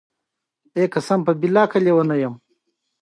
دا کارونه باید د خلکو لخوا خورا ارزښتمن وګڼل شي.